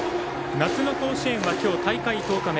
夏の甲子園は今日で大会１０日目。